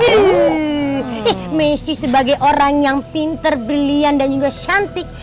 hih messi sebagai orang yang pintar brilian dan juga cantik